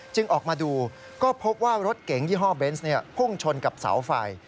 ออกมาดูก็พบว่ารถเก๋งยี่ห้อเบนส์พุ่งชนกับเสาไฟ